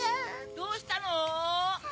・どうしたの？